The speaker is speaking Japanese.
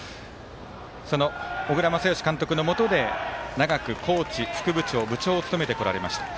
その小倉全由監督のもとで長くコーチ、副部長、部長を務めてこられました。